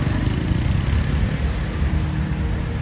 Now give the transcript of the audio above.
คุณพี่ลูกค่ะ